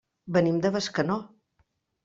Venim de Bescanó.